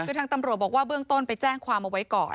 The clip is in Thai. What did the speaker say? คือทางตำรวจบอกว่าเบื้องต้นไปแจ้งความเอาไว้ก่อน